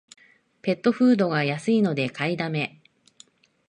ペットフードが安いので買いだめ